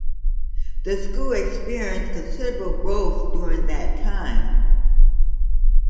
The school experienced considerable growth during that time.